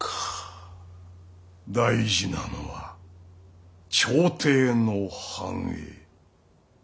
大事なのは朝廷の繁栄。